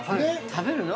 ◆食べるの？